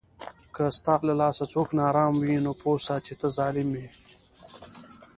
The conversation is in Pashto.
که ستا له لاسه څوک ناارام وي، نو پوه سه چې ته ظالم یې